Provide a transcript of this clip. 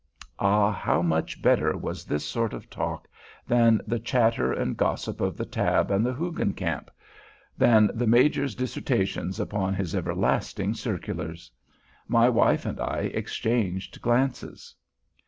Ah, how much better was this sort of talk than the chatter and gossip of the Tabb and the Hoogencamp—than the Major's dissertations upon his everlasting circulars! My wife and I exchanged glances.